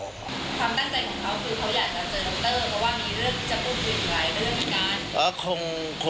ความตั้งใจของเขาคือเขาอยากจะเจอดรเพราะว่ามีเรื่องจะพูดคุยหลายเรื่องกัน